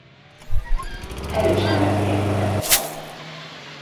Erősen veszélyeztetett faj.